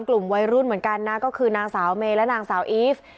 กลุ่มวัยรุ่นเหมือนกันนะก็คือนางสาวเมย์และนางสาวอีฟ